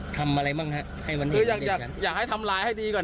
ทำอะไรมั่งฮะให้มันอยากอยากอยากให้ทำร้ายให้ดีกว่า